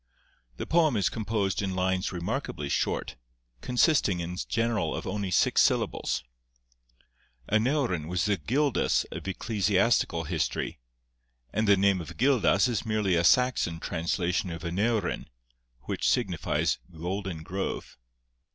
The poem is composed in lines remarkably short, consisting in general of only six syllables. Aneurin was the Gildas of ecclesiastical history, and the name of Gildas is merely a Saxon translation of Aneurin, which signifies golden grove.